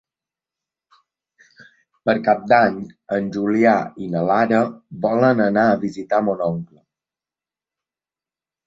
Per Cap d'Any en Julià i na Lara volen anar a visitar mon oncle.